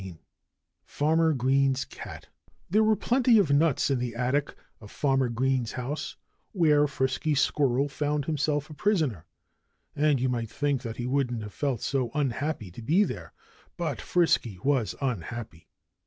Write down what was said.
XVII Farmer Green's Cat There were plenty of nuts in the attic of Farmer Green's house, where Frisky Squirrel found himself a prisoner. And you might think that he wouldn't have felt so unhappy to be there. But Frisky was unhappy.